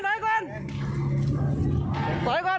หลบก่อนถอยก่อน